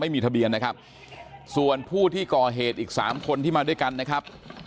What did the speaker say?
ไม่มีทะเบียนนะครับส่วนผู้ที่ก่อเหตุอีกสามคนที่มาด้วยกันนะครับ